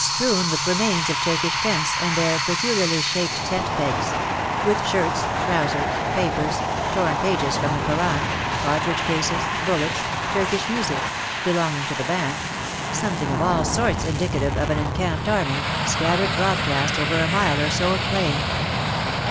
WAR AND WOMEN 87 strewn with remains of Turkish tents and their peculiarly shaped tent pegs, — with shirts, trousers, papers, torn pages from the Koran, cartridge cases, bullets, Turkish music — be longing to the band — something of all sorts indicative of an encamped army, scattered broadcast over a mile or so of plain.